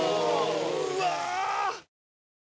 うわ！